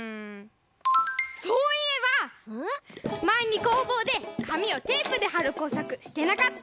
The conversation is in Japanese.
そういえばまえに工房でかみをテープではるこうさくしてなかった？